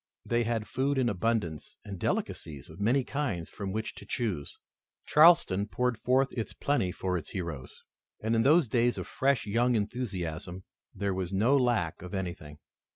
They had food in abundance and delicacies of many kinds from which to choose. Charleston poured forth its plenty for its heroes, and in those days of fresh young enthusiasm there was no lack of anything.